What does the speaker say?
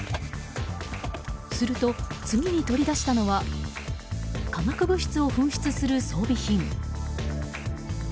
すると、次に取り出したのは化学物質を噴出する装備品。